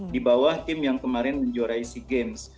di bawah tim yang kemarin menjuarai sea games